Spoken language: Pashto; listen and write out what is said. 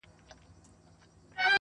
ولي سیوری اچولی خوب د پېغلي پر ورنونه!!